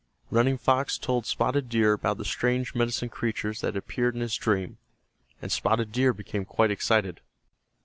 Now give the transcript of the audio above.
Running Fox told Spotted Deer about the strange medicine creatures that had appeared in his dream, and Spotted Deer became quite excited.